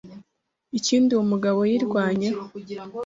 ikindi uyu mugabo yirwanyeho